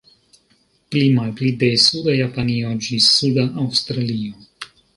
Pli-malpli de suda Japanio ĝis suda Aŭstralio.